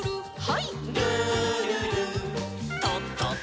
はい。